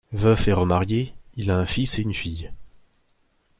Veuf et remarié, il a un fils et une fille.